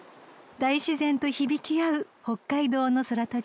［大自然と響き合う北海道の空旅です］